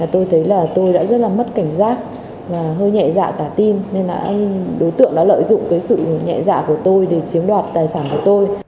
tôi thấy là tôi đã rất là mất cảnh giác và hơi nhẹ dạ cả tin nên là đối tượng đã lợi dụng cái sự nhẹ dạ của tôi để chiếm đoạt tài sản của tôi